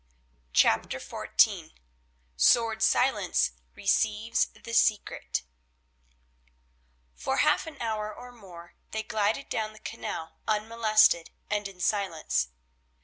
CHAPTER XIV SWORD SILENCE RECEIVES THE SECRET For half an hour or more they glided down the canal unmolested and in silence.